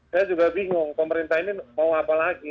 saya juga bingung pemerintah ini mau apa lagi